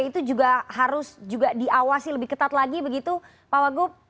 itu juga harus juga diawasi lebih ketat lagi begitu pak wagub